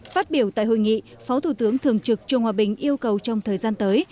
phát biểu tại hội nghị phó thủ tướng thường trực trương hòa bình yêu cầu trong thời gian tới